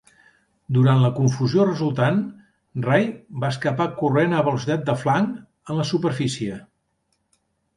Durant la confusió resultant, Ray va escapar corrent a velocitat de flanc en la superfície.